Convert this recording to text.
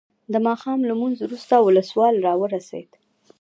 د ماښام لمونځ وروسته ولسوال راورسېد.